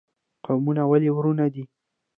قومونه ولې ورونه دي؟